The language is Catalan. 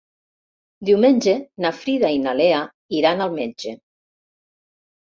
Diumenge na Frida i na Lea iran al metge.